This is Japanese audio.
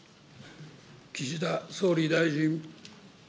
岸田総理大臣。